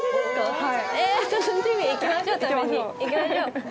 はい。